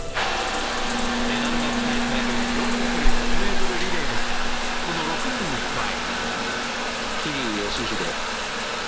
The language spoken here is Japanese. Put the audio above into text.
メダルが期待される４×１００ｍリレーですがこの６人に加え。